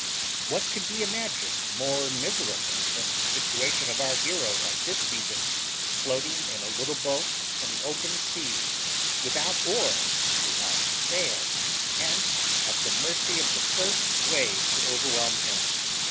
What could be imagined more miserable than the situation of our hero at this season, floating in a little boat on the open seas, without oar, without sail, and at the mercy of the first wave to overwhelm him?